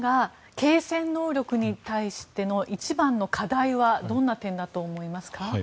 継戦能力に対しての一番の課題はどんな点だと思いますか？